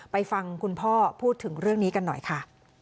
ฟังคุณพ่อพูดถึงเรื่องนี้กันหน่อยค่ะ